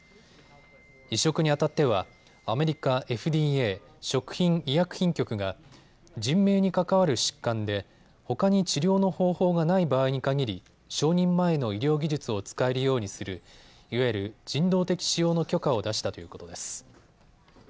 移植にあたってはアメリカＦＤＡ・食品医薬品局が人命に関わる疾患でほかに治療の方法がない場合にかぎり承認前の医療技術を使えるようにするいわゆる人道的使用の許可を出したということです。